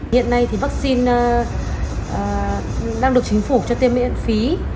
hiện nay thì vaccine đang được chính phủ cho tiêm miễn phí